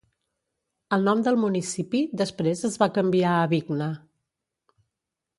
El nom del municipi després es va canviar a Vikna.